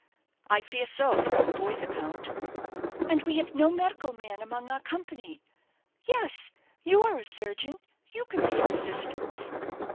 "I fear so, from the boy's account." "And we have no medical man among our company. Yes; you are a surgeon you can be of assistance."